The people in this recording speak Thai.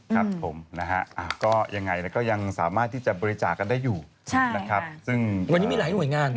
ครับผมยังไงก็ยังสามารถที่จะบริจาคกันได้อยู่วันนี้มีหลายหน่วยงาน